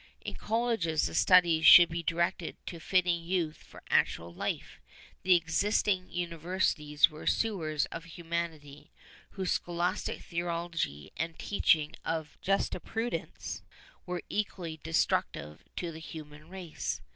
In colleges the studies should be directed to fitting youth for actual life; the existing universities were sewers of humanity, whose scholastic theology and teaching of jurisprudence were equally destructive to the human race.